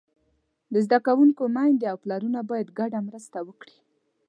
د زده کوونکو میندې او پلرونه باید ګډه مرسته وکړي.